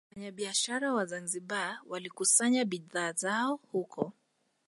Wafanyabiashara wa Zanzibar walikusanya bidhaa zao huko